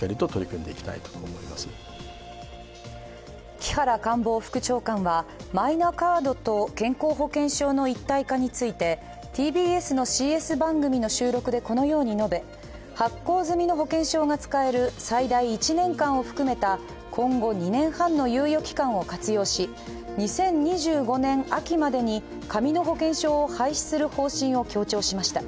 木原官房副長官はマイナカードと健康保険証の一体化について、ＴＢＳのＣＳ番組の収録でこのように述べ発行済みの保険証が使える最大１年間を含めた今後２年半の猶予期間を活用し２０２５年秋までに、紙の保険証を廃止する方針を強調しました。